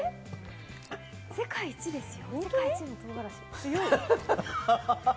世界一ですよ。